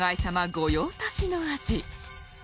御用達の味。